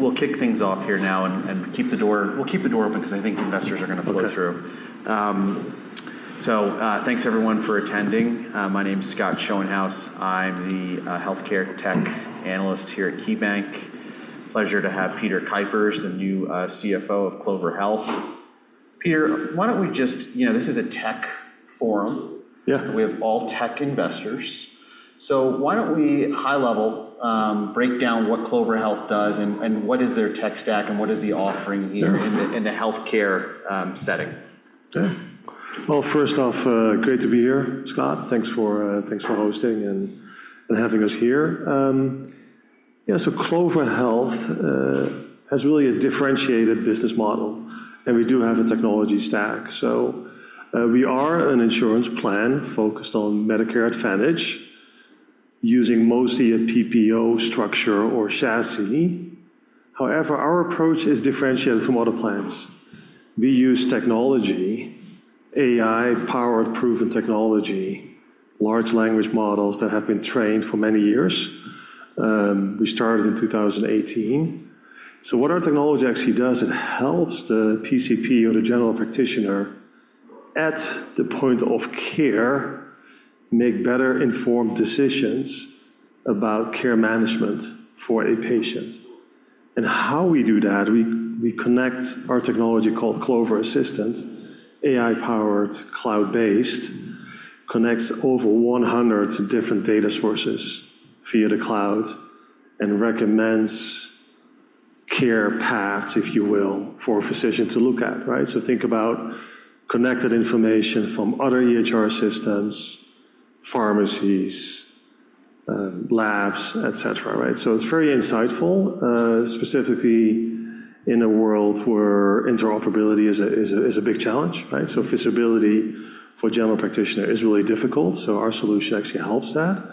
We'll kick things off here now and keep the door open 'cause I think investors are gonna flow through. Okay. So, thanks, everyone, for attending. My name is Scott Schoenhaus. I'm the healthcare tech analyst here at KeyBanc. Pleasure to have Peter Kuipers, the new CFO of Clover Health. Peter, why don't we just... You know, this is a tech forum. Yeah. We have all tech investors. So why don't we, high level, break down what Clover Health does, and, and what is their tech stack, and what is the offering here. Yeah... in the healthcare setting? Yeah. Well, first off, great to be here, Scott. Thanks for hosting and having us here. Yeah, so Clover Health has really a differentiated business model, and we do have a technology stack. So, we are an insurance plan focused on Medicare Advantage, using mostly a PPO structure or chassis. However, our approach is differentiated from other plans. We use technology, AI-powered proven technology, large language models that have been trained for many years. We started in 2018. So what our technology actually does, it helps the PCP or the general practitioner, at the point of care, make better-informed decisions about care management for a patient. And how we do that, we connect our technology, called Clover Assistant, AI-powered, cloud-based, connects over 100 different data sources via the cloud and recommends care paths, if you will, for a physician to look at, right? So think about connected information from other EHR systems, pharmacies, labs, et cetera, right? So it's very insightful, specifically in a world where interoperability is a big challenge, right? So visibility for a general practitioner is really difficult, so our solution actually helps that.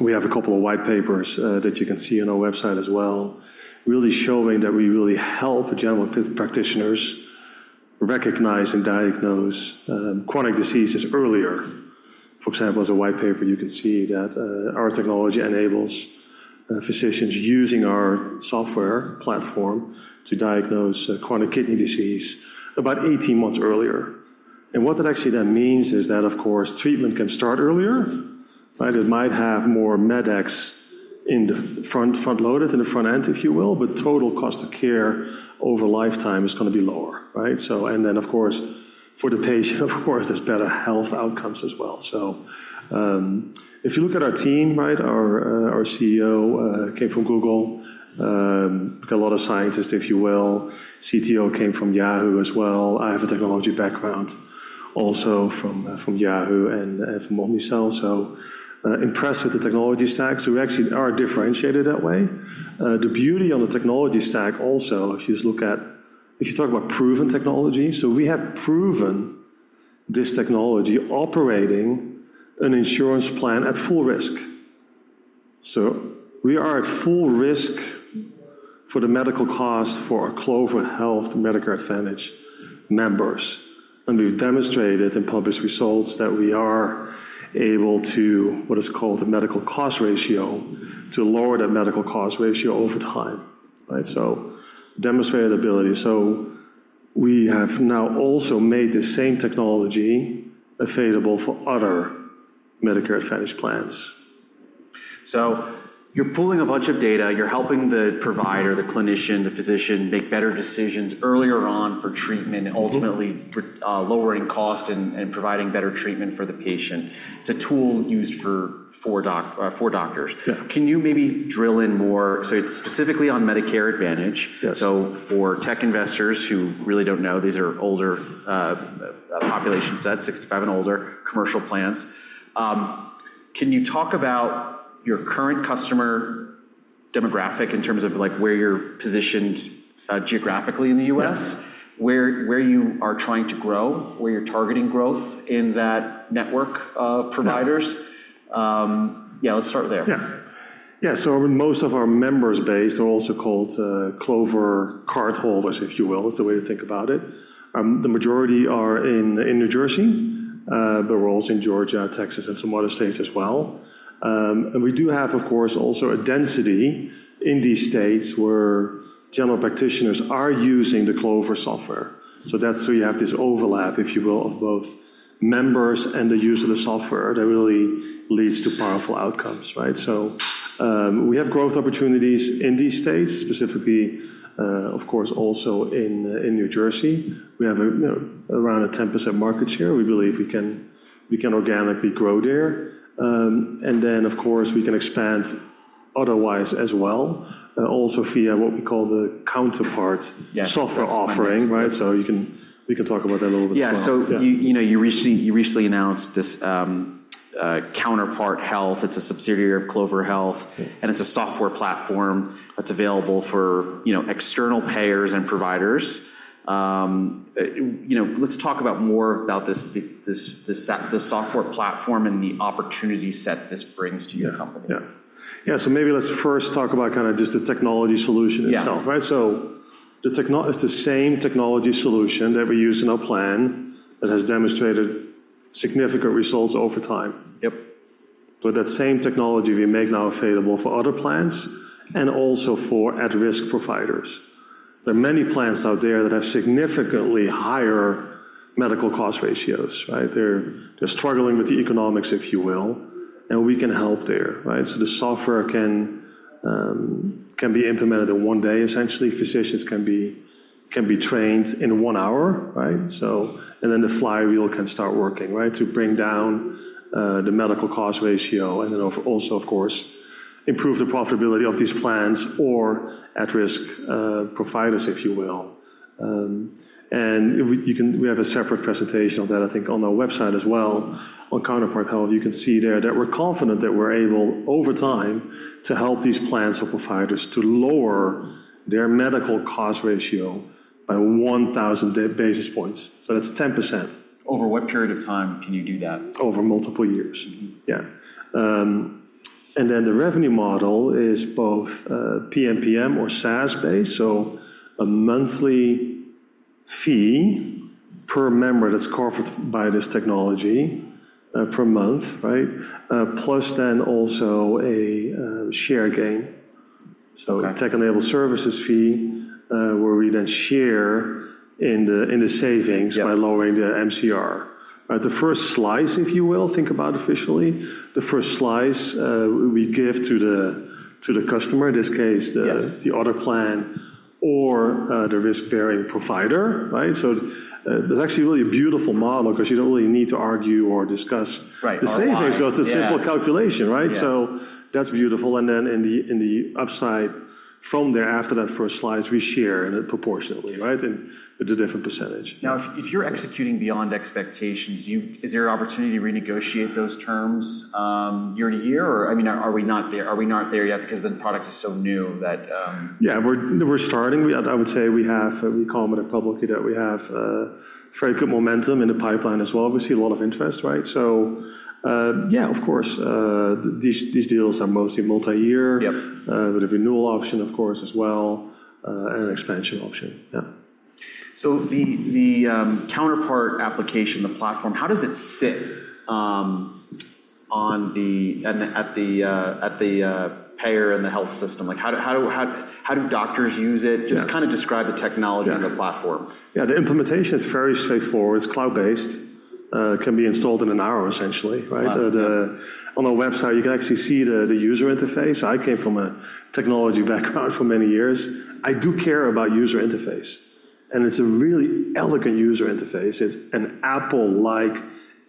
We have a couple of white papers that you can see on our website as well, really showing that we really help general practitioners recognize and diagnose chronic diseases earlier. For example, as a white paper, you can see that, our technology enables, physicians using our software platform to diagnose, chronic kidney disease about 18 months earlier. And what that actually then means is that, of course, treatment can start earlier, right? It might have more med ex in the front, front-loaded in the front end, if you will, but total cost of care over lifetime is gonna be lower, right? So... And then, of course, for the patient, of course, there's better health outcomes as well. So, if you look at our team, right, our CEO came from Google. We've got a lot of scientists, if you will. CTO came from Yahoo as well. I have a technology background also from Yahoo and from Omnicell, so, impressed with the technology stack. So we actually are differentiated that way. The beauty of the technology stack also, if you just look at if you talk about proven technology, so we have proven this technology operating an insurance plan at full risk. So we are at full risk for the medical cost for our Clover Health Medicare Advantage members, and we've demonstrated in published results that we are able to, what is called the medical cost ratio, to lower that medical cost ratio over time, right? So demonstrated ability. So we have now also made the same technology available for other Medicare Advantage plans. So you're pulling a bunch of data. You're helping the provider, the clinician, the physician, make better decisions earlier on for treatment- Mm-hmm... ultimately for lowering cost and providing better treatment for the patient. It's a tool used for doctors. Yeah. Can you maybe drill in more? So it's specifically on Medicare Advantage. Yes. So for tech investors who really don't know, these are older, population sets, 65 and older, commercial plans. Can you talk about your current customer demographic in terms of, like, where you're positioned, geographically in the US? Yeah. Where you are trying to grow, where you're targeting growth in that network of providers? Yeah. Yeah, let's start there. Yeah. Yeah, so most of our member base are also called Clover cardholders, if you will. It's a way to think about it. The majority are in New Jersey. But we're also in Georgia, Texas, and some other states as well. And we do have, of course, also a density in these states where general practitioners are using the Clover software. So that's where you have this overlap, if you will, of both members and the use of the software. That really leads to powerful outcomes, right? So, we have growth opportunities in these states, specifically, of course, also in New Jersey. We have a, you know, around a 10% market share. We believe we can, we can organically grow there. And then, of course, we can expand otherwise as well, also via what we call the Counterpart- Yes... software offering. That's right. You can, we can talk about that a little bit as well. Yeah. Yeah. So you know, you recently announced this, Counterpart Health. It's a subsidiary of Clover Health- Yeah... and it's a software platform that's available for, you know, external payers and providers. You know, let's talk about more about this software platform and the opportunity set this brings to your company. Yeah. Yeah, so maybe let's first talk about kinda just the technology solution itself. Yeah. Right? The technology, it's the same technology solution that we use in our plan that has demonstrated significant results over time. Yep. So that same technology we make now available for other plans and also for at-risk providers. There are many plans out there that have significantly higher medical cost ratios, right? They're struggling with the economics, if you will, and we can help there, right? So the software can be implemented in one day. Essentially, physicians can be trained in one hour, right? So, and then the flywheel can start working, right, to bring down the medical cost ratio and then also, of course, improve the profitability of these plans or at-risk providers, if you will. And we have a separate presentation of that, I think, on our website as well. On Counterpart Health, you can see there that we're confident that we're able, over time, to help these plans or providers to lower their medical cost ratio by 1000 basis points. So that's 10%. Over what period of time can you do that? Over multiple years. Mm-hmm. Yeah. And then the revenue model is both, PMPM or SaaS-based, so a monthly fee per member that's covered by this technology, per month, right? Plus then also a share gain. Got it. So a tech-enabled services fee, where we then share in the, in the savings- Yeah... by lowering the MCR. The first slice, if you will, think about officially, the first slice, we give to the, to the customer, in this case- Yes... the other plan or, the risk-bearing provider, right? So, it's actually really a beautiful model 'cause you don't really need to argue or discuss- Right. the savings, because it's a simple calculation, right? Yeah. That's beautiful. Then in the upside from there, after that first slice, we share in it proportionately, right? In with a different percentage. Now, if you're executing beyond expectations, do you... Is there an opportunity to renegotiate those terms year to year? Or, I mean, are we not there yet because the product is so new that, Yeah, we're starting. I would say we've commented publicly that we have very good momentum in the pipeline as well. We see a lot of interest, right? So, yeah, of course, these deals are mostly multi-year. Yep. With a renewal option, of course, as well, and an expansion option. Yeah. So the Counterpart application, the platform, how does it sit on the payer and the health system? Like, how do doctors use it? Yeah. Just kind of describe the technology- Yeah... and the platform. Yeah, the implementation is very straightforward. It's cloud-based, can be installed in an hour, essentially, right? Wow. On our website, you can actually see the user interface. I came from a technology background for many years. I do care about user interface, and it's a really elegant user interface. It's an Apple-like,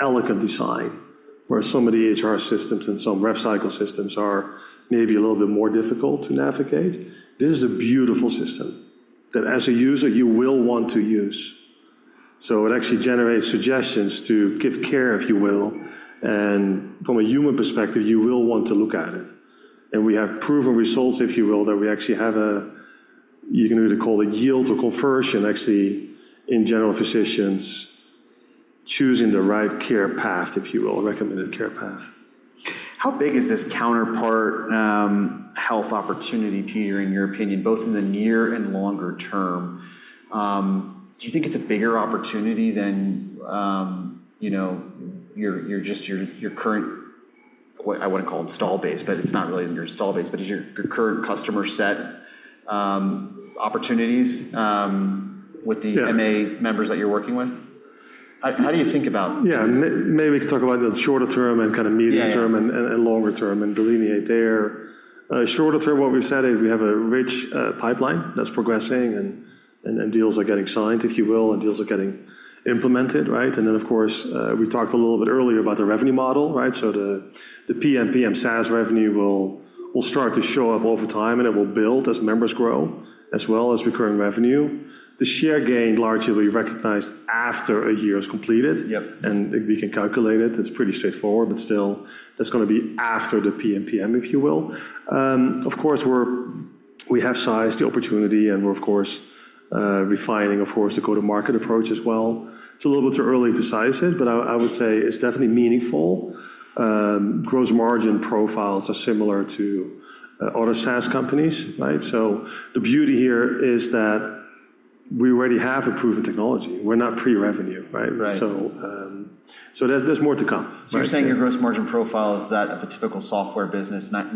elegant design, where some of the EHR systems and some rev cycle systems are maybe a little bit more difficult to navigate. This is a beautiful system that, as a user, you will want to use. So it actually generates suggestions to give care, if you will, and from a human perspective, you will want to look at it. And we have proven results, if you will, that we actually have a.. You can really call it yield or conversion, actually, in general physicians choosing the right care path, if you will, a recommended care path. How big is this Counterpart Health opportunity, Peter, in your opinion, both in the near and longer term? Do you think it's a bigger opportunity than, you know, just your current what I wanna call install base, but it's not really your install base, but is your current customer set opportunities, with the- Yeah... MA members that you're working with? How do you think about this? Yeah. Maybe we can talk about the shorter term and kind of medium term- Yeah... and longer term and delineate there. Shorter term, what we've said is we have a rich pipeline that's progressing, and deals are getting signed, if you will, and deals are getting implemented, right? And then, of course, we talked a little bit earlier about the revenue model, right? So the PMPM SaaS revenue will start to show up over time, and it will build as members grow, as well as recurring revenue. The share gain largely recognized after a year is completed. Yep. We can calculate it. It's pretty straightforward, but still, that's gonna be after the PMPM, if you will. Of course, we have sized the opportunity, and we're, of course, refining the go-to-market approach as well. It's a little bit too early to size it, but I would say it's definitely meaningful. Gross margin profiles are similar to other SaaS companies, right? So the beauty here is that we already have a proven technology. We're not pre-revenue, right? Right. So, there's more to come, right? So you're saying your gross margin profile is that of a typical software business, 90%,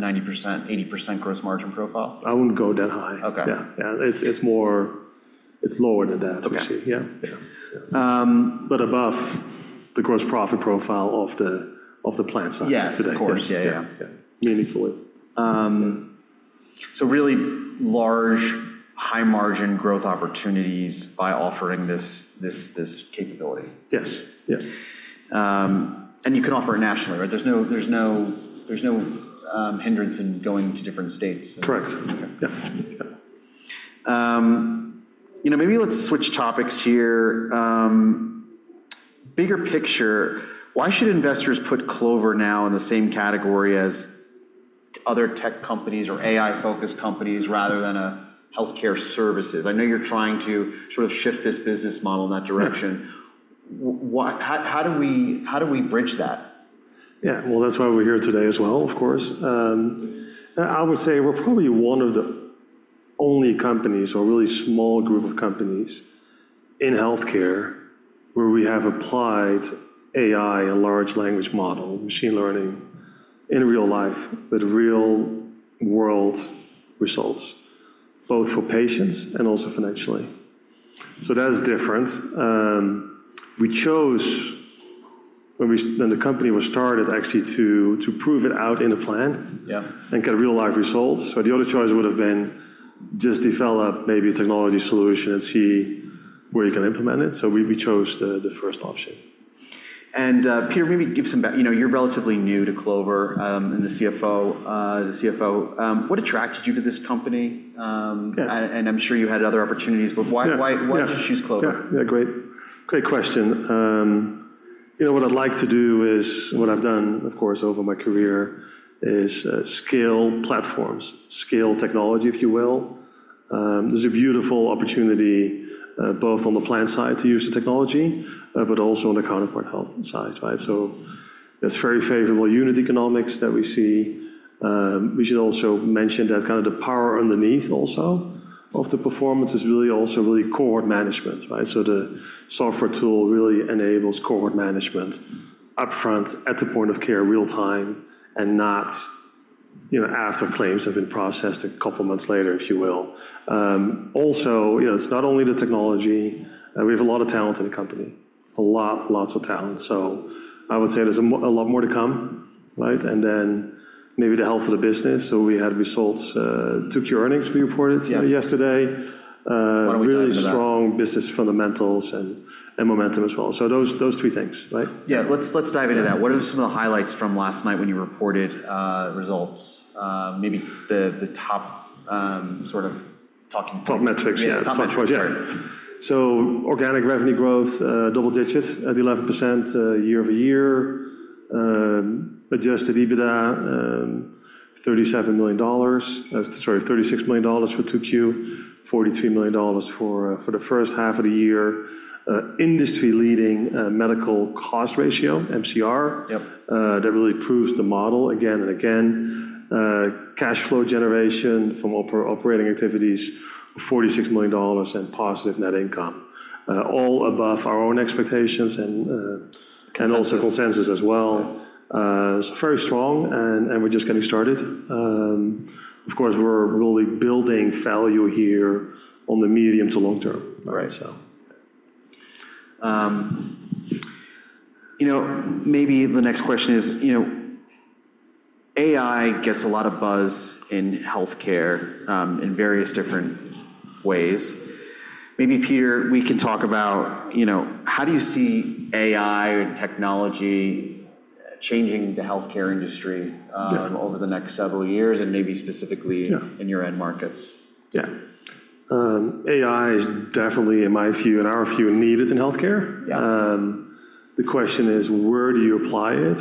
80% gross margin profile? I wouldn't go that high. Okay. Yeah. Yeah, it's, it's more... It's lower than that, obviously. Okay. Yeah. Yeah. But above the gross profit profile of the plan side today. Yeah, of course. Yeah. Yeah, yeah. Yeah. Meaningfully. So really large, high-margin growth opportunities by offering this, this, this capability? Yes. Yeah. And you can offer it nationally, right? There's no hindrance in going to different states. Correct. Okay. Yeah. Yeah. You know, maybe let's switch topics here. Bigger picture, why should investors put Clover now in the same category as other tech companies or AI-focused companies rather than a healthcare services? I know you're trying to sort of shift this business model in that direction. Yeah. How, how do we, how do we bridge that? Yeah, well, that's why we're here today as well, of course. I would say we're probably one of the only companies or really small group of companies in healthcare where we have applied AI, a large language model, machine learning, in real life, with real-world results, both for patients and also financially. So that is different. We chose, when the company was started, actually, to prove it out in a plan- Yeah. and get real-life results. So the other choice would have been just develop maybe a technology solution and see where you can implement it. So we chose the first option. And, Peter, maybe give some back. You know, you're relatively new to Clover, and the CFO, as the CFO. What attracted you to this company? Yeah. And I'm sure you had other opportunities, but why- Yeah. Why, why did you choose Clover? Yeah. Yeah, great, great question. You know, what I'd like to do is, what I've done, of course, over my career, is, scale platforms, scale technology, if you will. There's a beautiful opportunity, both on the plan side to use the technology, but also on the Counterpart Health side, right? So there's very favorable unit economics that we see. We should also mention that kinda the power underneath also of the performance is really also really cohort management, right? So the software tool really enables cohort management upfront, at the point of care, real-time, and not, you know, after claims have been processed a couple of months later, if you will. Also, you know, it's not only the technology, we have a lot of talent in the company. A lot, lots of talent. So I would say there's a lot more to come, right? And then maybe the health of the business, so we had results, 2Q earnings we reported- Yes. yesterday. Uh- Why don't we dive into that? really strong business fundamentals and, and momentum as well. So those, those three things, right? Yeah, let's dive into that. Yeah. What are some of the highlights from last night when you reported results? Maybe the top sort of talking points. Top metrics. Yeah, top metrics. Sorry. Yeah. So organic revenue growth, double digits at 11%, year-over-year. Adjusted EBITDA, $37 million, sorry, $36 million for 2Q, $43 million for the first half of the year. Industry-leading medical cost ratio, MCR- Yep. That really proves the model again and again. Cash flow generation from operating activities, $46 million and positive net income. All above our own expectations and, Consensus. and also consensus as well. Right. It's very strong, and we're just getting started. Of course, we're really building value here on the medium to long term. Right. So... You know, maybe the next question is, you know, AI gets a lot of buzz in healthcare, in various different ways. Maybe, Peter, we can talk about, you know, how do you see AI and technology changing the healthcare industry? Yeah over the next several years, and maybe specifically- Yeah in your end markets? Yeah. AI is definitely, in my view, in our view, needed in healthcare. Yeah. The question is, where do you apply it,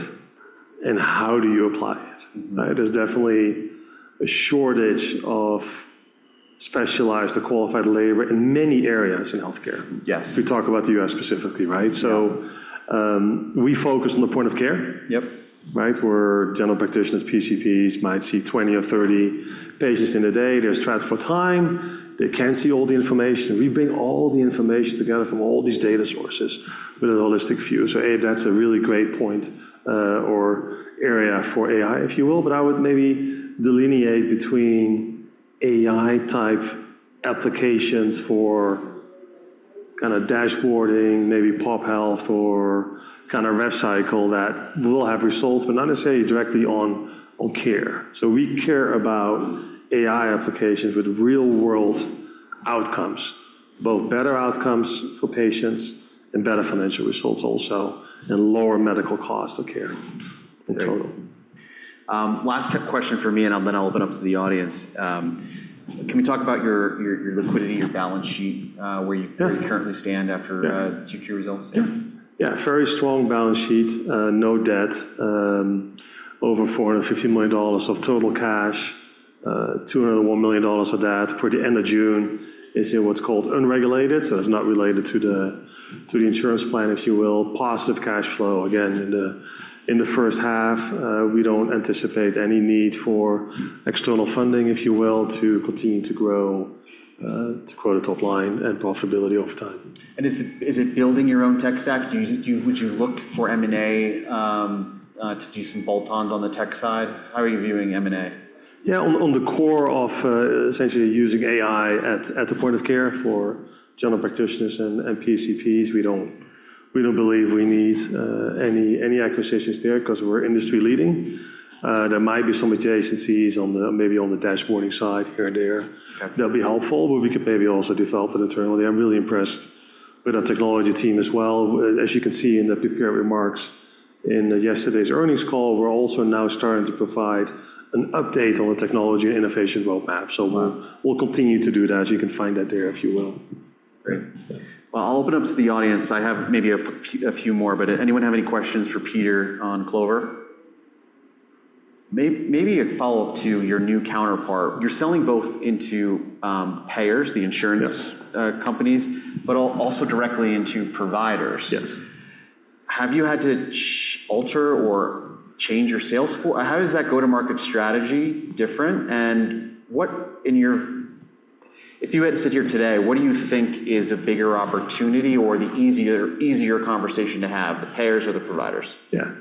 and how do you apply it? Mm-hmm. Right, there's definitely a shortage of specialized or qualified labor in many areas in healthcare. Yes. To talk about the U.S. specifically, right? Yeah. We focus on the point of care. Yep. Right? Where general practitioners, PCPs, might see 20 or 30 patients in a day. They're stretched for time. They can't see all the information. We bring all the information together from all these data sources with a holistic view. So A, that's a really great point, or area for AI, if you will. But I would maybe delineate between AI-type applications for kinda dashboarding, maybe pop health or kinda rev cycle that will have results, but not necessarily directly on, on care. So we care about AI applications with real-world outcomes, both better outcomes for patients and better financial results also, and lower medical cost of care- Great -in total. Last question for me, and then I'll open up to the audience. Can we talk about your liquidity, your balance sheet, where you- Yeah currently stand after Yeah -2Q results? Yeah. Yeah, very strong balance sheet, no debt, over $450 million of total cash, $201 million of that for the end of June is in what's called unregulated, so it's not related to the, to the insurance plan, if you will. Positive cash flow, again, in the, in the first half. We don't anticipate any need for external funding, if you will, to continue to grow, to grow the top line and profitability over time. Is it building your own tech stack? Would you look for M&A to do some bolt-ons on the tech side? How are you viewing M&A? Yeah, on the core of essentially using AI at the point of care for general practitioners and PCPs, we don't believe we need any acquisitions there 'cause we're industry leading. There might be some adjacencies on maybe on the dashboarding side here and there. Okay. That'll be helpful, but we could maybe also develop it internally. I'm really impressed with our technology team as well. As you can see in the prepared remarks in yesterday's earnings call, we're also now starting to provide an update on the technology and innovation roadmap. Wow. We'll, we'll continue to do that, as you can find that there, if you will. Great. Well, I'll open up to the audience. I have maybe a few, a few more, but anyone have any questions for Peter on Clover?... Maybe a follow-up to your new Counterpart. You're selling both into, payers, the insurance- Yeah companies, but also directly into providers. Yes. Have you had to alter or change your sales force? How is that go-to-market strategy different, and what, in your... If you had to sit here today, what do you think is a bigger opportunity or the easier, easier conversation to have, the payers or the providers? Yeah.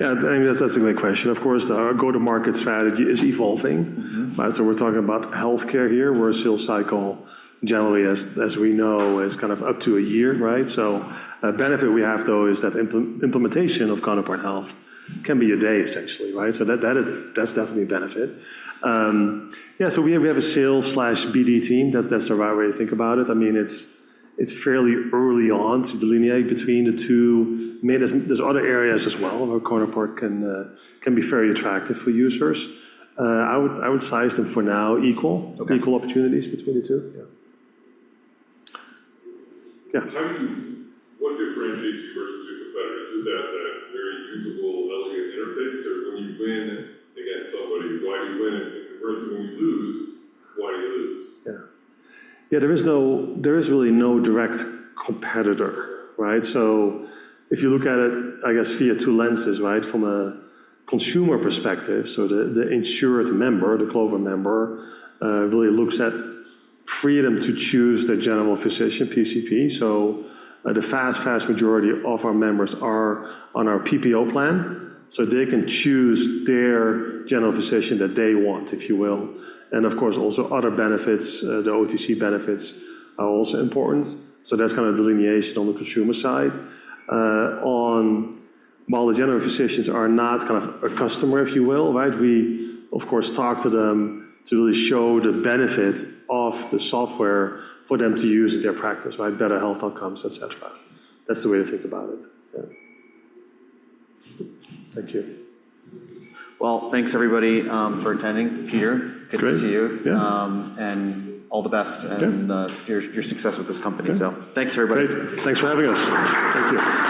Yeah, I mean, that's, that's a great question. Of course, our go-to-market strategy is evolving. Mm-hmm. Right? So we're talking about healthcare here, where a sales cycle, generally, as we know, is kind of up to a year, right? So a benefit we have, though, is that implementation of Counterpart Health can be a day, essentially, right? So that, that is, that's definitely a benefit. Yeah, so we have a sales/BD team. That's the right way to think about it. I mean, it's fairly early on to delineate between the two. Maybe there's other areas as well, where Counterpart can be very attractive for users. I would size them for now equal. Okay. Equal opportunities between the two. Yeah. Yeah. What differentiates you versus your competitors? Is that the very usable, elegant interface, or when you win against somebody, why do you win? And conversely, when you lose, why do you lose? Yeah. Yeah, there is no, there is really no direct competitor, right? So if you look at it, I guess, via two lenses, right? From a consumer perspective, so the, the insured member, the Clover member, really looks at freedom to choose their general physician, PCP. So the vast, vast majority of our members are on our PPO plan, so they can choose their general physician that they want, if you will. And of course, also other benefits, the OTC benefits are also important. So that's kinda delineation on the consumer side. While the general physicians are not kind of a customer, if you will, right? We, of course, talk to them to really show the benefit of the software for them to use in their practice, right? Better health outcomes, et cetera. That's the way to think about it. Yeah. Thank you. Well, thanks, everybody, for attending. Peter- Great. Good to see you. Yeah. And all the best- Okay and your success with this company. Okay. Thanks, everybody. Great. Thanks for having us. Thank you.